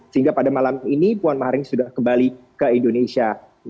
sehingga pada malam ini puan maharani sudah kembali ke indonesia